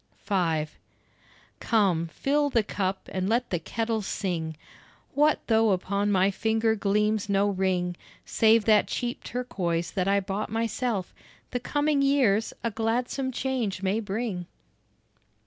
V Come, fill the cup and let the kettle sing! What though upon my finger gleams no ring, Save that cheap turquoise that I bought myself? The coming years a gladsome change may bring.